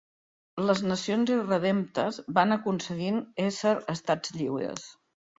Les nacions irredemptes van aconseguint ésser Estats lliures...